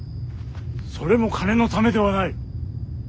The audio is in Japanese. それも金のためではない！